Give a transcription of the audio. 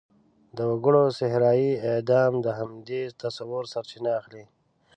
د وګړو صحرايي اعدام د همدې تصوره سرچینه اخلي.